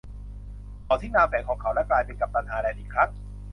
เขาทิ้งนามแฝงของเขาและกลายเป็นกัปตันฮาร์แลนด์อีกครั้ง